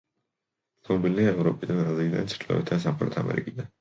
ცნობილია ევროპიდან, აზიიდან, ჩრდილოეთ და სამხრეთ ამერიკიდან.